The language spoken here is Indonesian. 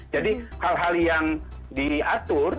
jadi hal hal yang diatur